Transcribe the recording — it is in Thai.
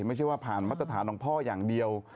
ไม่ใช่ว่าผ่านมาตรฐานของพ่ออย่างเดียว